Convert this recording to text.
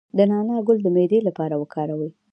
د نعناع ګل د معدې لپاره وکاروئ